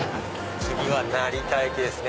次は成田駅ですね。